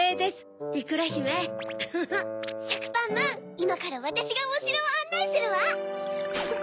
いまからわたしがおしろをあんないするわ。